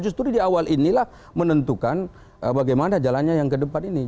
justru di awal inilah menentukan bagaimana jalannya yang kedepannya